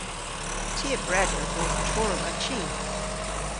Ty a breder bos torrva chi.